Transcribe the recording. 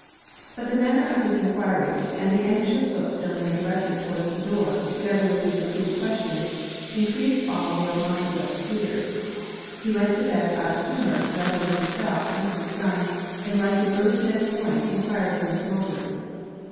But the manner of this enquiry, and the anxious looks Delamere directed towards the door, together with his repeated questions, increased all Lord Montreville's fears. He went to bed out of humour rather with himself than his son; and rising early the next morning, enquired for Miss Mowbray.